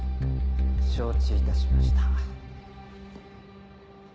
承知いたしました。